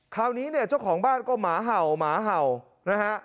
คราวนี้เนี่ยเจ้าของบ้านก็หมาเห่าหมาเห่านะฮะ